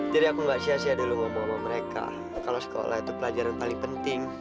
jadi aku enggak sia sia dulu ngomong mereka kalau sekolah itu pelajaran paling penting